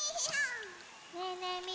ねえねえみんな。